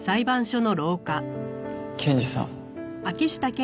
検事さん。